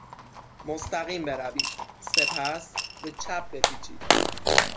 مستقیم بروید. سپس به چپ بپیچید.